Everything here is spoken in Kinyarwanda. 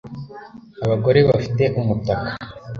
Abagore bafite umutaka